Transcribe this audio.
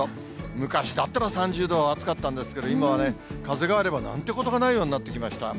昔だったら、３０度は暑かったんですけど、今はね、風があれば、なんてことがないようになってきました。